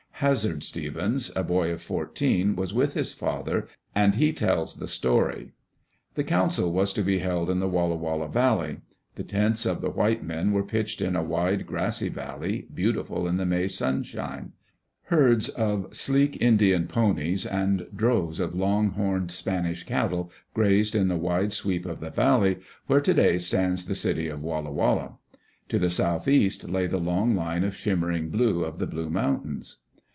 Hazard Stevens, a boy of fourteen, was with his father, and he tells the story. The council was to be held in the Walla Walla Valley. The tents of the white men were pitched in a wide, grassy valley, beautiful in the May sunshine. Herds of sleek Indian ponies and droves of long horned Spanish cattle grazed in the wide sweep of the valley where today stands the city of Walla Walla. To the southeast lay the long line of shimmering blue of the Blue Mountains.